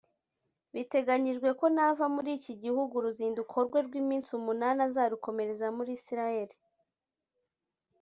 Biteganyijwe ko nava muri iki gihugu uruzinduko rwe rw’iminsi umunani azarukomereza muri Israel